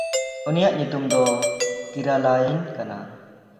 ᱩᱱᱤᱭᱟᱜ ᱧᱩᱛᱩᱢ ᱫᱚ ᱠᱤᱨᱟᱞᱟᱹᱭᱤᱱ ᱠᱟᱱᱟ᱾